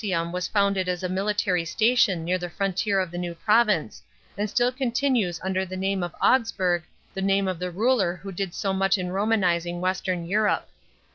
VL Vindelicum was founded as a military station near the frontier of the new province, and still preserves under the name Augsburg the name of the ruler who did so much for Romanising western Europe.